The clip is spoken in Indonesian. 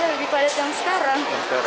lebih padat yang sekarang